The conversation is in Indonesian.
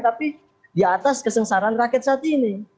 tapi di atas kesengsaraan rakyat saat ini